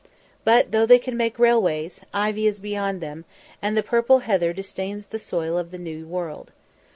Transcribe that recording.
But though they can make railways, ivy is beyond them, and the purple heather disdains the soil of the New World.